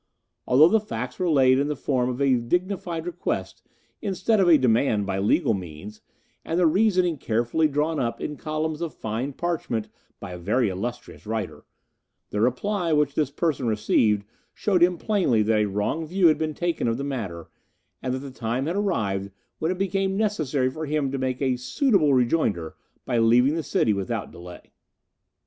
Although the facts were laid in the form of a dignified request instead of a demand by legal means, and the reasoning carefully drawn up in columns of fine parchment by a very illustrious writer, the reply which this person received showed him plainly that a wrong view had been taken of the matter, and that the time had arrived when it became necessary for him to make a suitable rejoinder by leaving the city without delay."